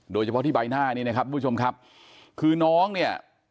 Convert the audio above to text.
โดยเฉพาะที่ใบหน้านี้นะครับทุกผู้ชมครับคือน้องเนี่ย